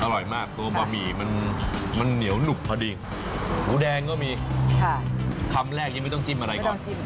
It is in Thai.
อร่อยมากตัวบะหมี่มันเหนียวหนุบพอดีหมูแดงก็มีคำแรกยังไม่ต้องจิ้มอะไรก่อน